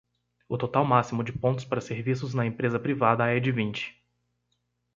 O total máximo de pontos para serviços na empresa privada é de vinte.